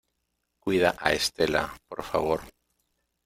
cuida a Estela, por favor.